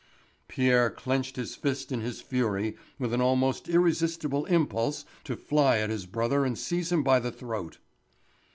Pierre clenched his fist in his fury with an almost irresistible impulse to fly at his brother and seize him by the throat.